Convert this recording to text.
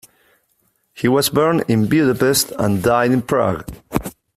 He was born in Budapest and died in Prague.